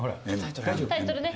タイトルが。